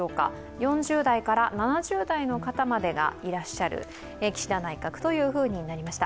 ４０代から７０代の方までがいらっしゃる岸田内閣というふうになりました。